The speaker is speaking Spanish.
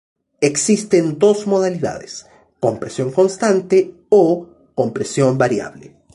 Existen dos modalidades, con presión constante, o, con presión variable.